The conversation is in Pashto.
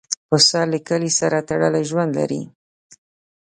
پسه له کلي سره تړلی ژوند لري.